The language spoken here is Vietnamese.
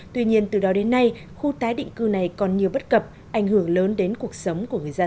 tuy nhiên từ đó đến nay khu tái định cư này còn nhiều bất cập ảnh hưởng lớn đến cuộc sống của người dân